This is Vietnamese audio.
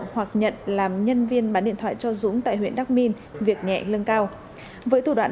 hoặc nhận làm nhân viên bán điện thoại cho dũng tại huyện đắk minh việc nhẹ lương cao với thủ đoạn